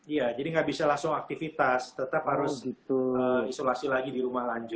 iya jadi nggak bisa langsung aktivitas tetap harus isolasi lagi di rumah lanjut